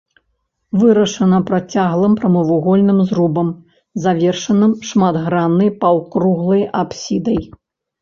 Вырашана працяглым прамавугольным зрубам, завершаным шматграннай паўкруглай апсідай.